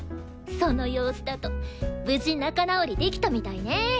その様子だと無事仲直りできたみたいね。